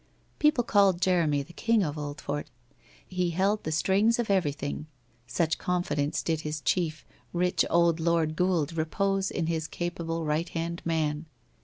People called Jeremy the King of Oldfort. He held the strings of everything, such confidence did his chief, rich, old Lord Gould, repose in his capable right hand man.